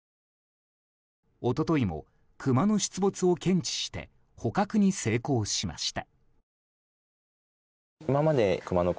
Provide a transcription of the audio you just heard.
一昨日もクマの出没を検知して捕獲に成功しました。